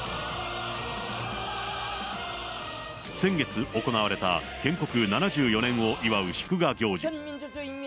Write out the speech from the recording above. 先月行われた建国７４年を祝う祝賀行事。